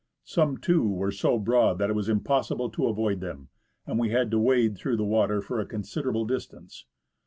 Some, too, were so broad that it was impossible to avoid them, and we had to wade through the water for a considerable distance.